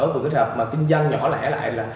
vừa cái trạp mà kinh doanh nhỏ lẻ lại